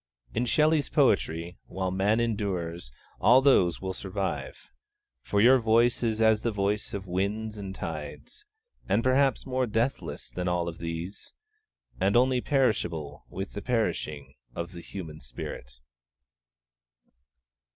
In Shelley's poetry, while Man endures, all those will survive; for your 'voice is as the voice of winds and tides,' and perhaps more deathless than all of these, and only perishable with the perishing of the human spirit.